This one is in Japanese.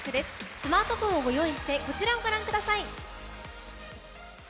スマートフォンをご用意してこちらをご覧ください。